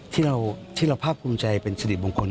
ที่เราภาพภูมิใจเป็นสิริมงคล